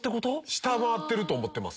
下回ってると思ってます。